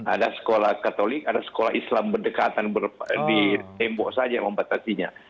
ada sekolah katolik ada sekolah islam berdekatan di tembok saja membatasinya